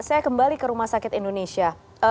saya kembali ke rumah sakit indonesia